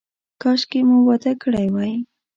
کاشکې مو واده کړی وای.